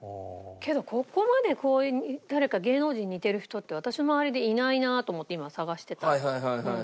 けどここまでこう誰か芸能人に似てる人って私の周りでいないなと思って今探してたんだけど。